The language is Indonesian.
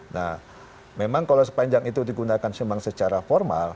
nah memang kalau sepanjang itu digunakan memang secara formal